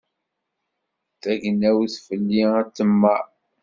Tagnawt fell-i ad temmar.